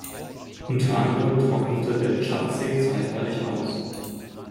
Unter anderem trocknete der Tschadsee zeitweilig aus.